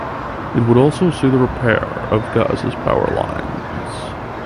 It would also see the repair of Gaza’s power lines.